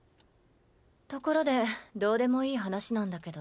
ところでどうでもいい話なんだけど。